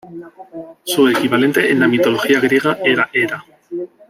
Su equivalente en la mitología griega era Hera.